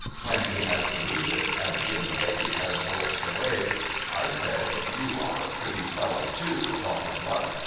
When he had saluted, and he and the lady had waltzed away, I said, ' You are a pretty fellow, too, to talk of luck.